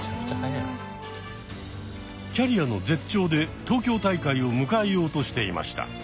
キャリアの絶頂で東京大会を迎えようとしていました。